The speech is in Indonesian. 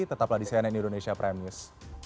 tetaplah di cnn indonesia prime news